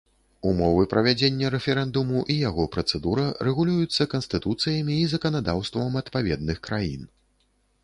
Умовы правядзення рэферэндуму і яго працэдура рэгулююцца канстытуцыямі і заканадаўствам адпаведных краін.